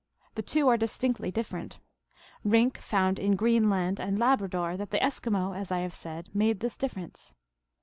The two are distinctly different. Rink found in Greenland and Labrador that the Eskimo, as I have said, made this difference.